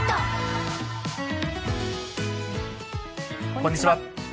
こんにちは。